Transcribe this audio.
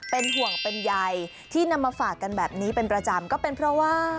เป็นห่วงเป็นใยที่นำมาฝากกันแบบนี้เป็นประจำก็เป็นเพราะว่า